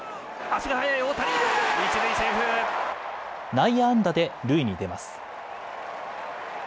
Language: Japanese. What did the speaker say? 内野安打で塁に出ます。